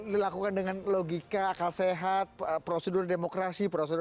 sekarang pel workspace kami sudah menoint tadi